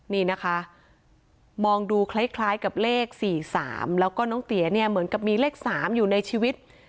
นี่นะคะมองดูคล้ายกับเลข๔๓แล้วก็น้องเตี๋ยเนี่ยเหมือนกับมีเลข๓อยู่ในชีวิต